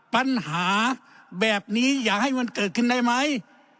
ปัญหาแบบนี้อยากให้มันเกิดขึ้นได้ไหม